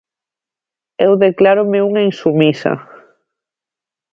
Eu declárome unha insubmisa.